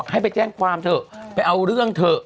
ให้ไปแจ้งความเถอะไปเอาเรื่องเถอะ